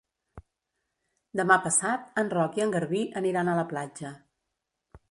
Demà passat en Roc i en Garbí aniran a la platja.